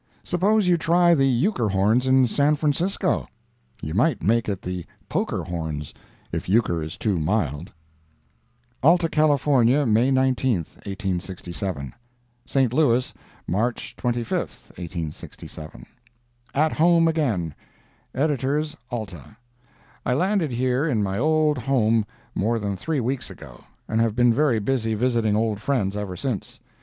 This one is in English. Suppose you try the Euchre Horns in San Francisco? You might make it the Poker Horns if Euchre is too mild. Alta California, May 19, 1867 St. Louis, March 25th, 1867. AT HOME AGAIN EDITORS ALTA: I landed here in my old home more than three weeks ago, and have been very busy visiting old friends ever since.